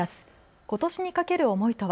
ことしにかける思いとは。